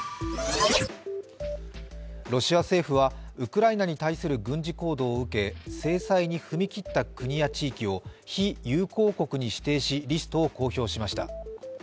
ロシア政府はウクライナに対する軍事行動を受け、制裁に踏み切った国や地域を非友好国に指定しリストを公表しました。